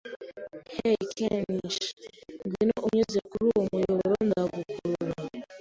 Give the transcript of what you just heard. Hey, Ken'ichi, ngwino unyuze kuri uwo muyoboro. Nzagukurura.